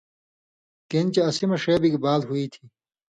گِنہۡ چے اسی مہ ݜے بِگ بال ہُوئ تھی